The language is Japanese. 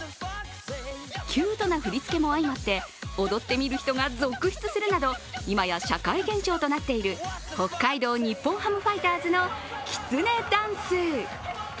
キュートな振り付けも相まって、踊ってみる人が続出するなどいまや、社会現象となっている北海道日本ハムファイターズのきつねダンス。